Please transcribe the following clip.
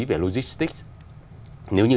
về logistics nếu như